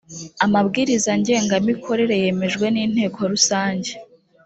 amabwiriza ngengamikorere yemejwe n’inteko rusange